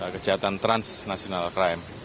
kejahatan transnasional crime